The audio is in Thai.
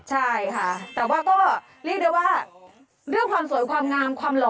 ใช่ค่ะแต่ว่าก็เรียกได้ว่าเรื่องความสวยความงามความหล่อ